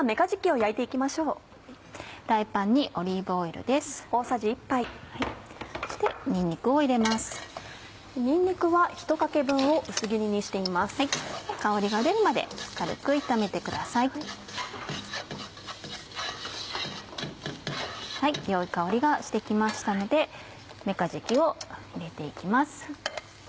良い香りがして来ましたのでめかじきを入れて行きます。